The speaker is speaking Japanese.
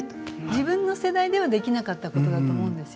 自分の世代ではできなかったことだと思うんです